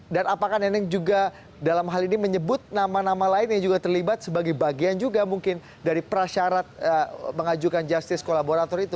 dan apakah nenek juga dalam hal ini menyebut nama nama lain yang juga terlibat sebagai bagian juga mungkin dari prasyarat mengajukan justice kolaborator itu